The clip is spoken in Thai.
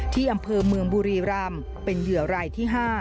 ที่อำเภอเมืองบุรีรำเป็นเหยื่อรายที่๕